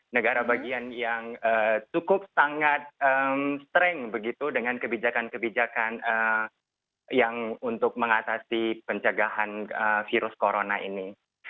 negara bagian yang cukup sangat strength begitu dengan kebijakan kebijakan yang untuk mengatasi pencegahan virus corona ini